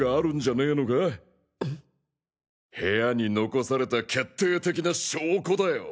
部屋に残された決定的な証拠だよ！